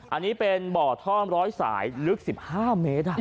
อันนี้เป็นบ่อท่อมร้อยสายลึก๑๕เมตร